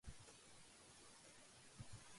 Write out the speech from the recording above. جو مختلف بھی ہیں